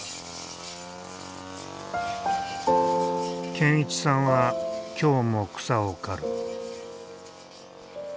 健一さんは今日も草を刈る。